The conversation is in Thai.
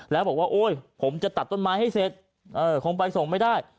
แล้วบอกว่าโอ๊ยผมจะตัดต้นไม้ให้เสร็จคงไปส่งไม่ได้